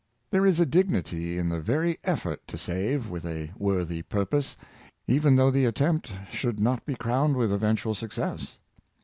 There is a dignity in the very effort to save with a worthy purpose, even though the attempt should not be crowned with eventual success.